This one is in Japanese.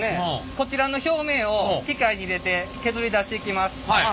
こちらの表面を機械に入れて削り出していきます。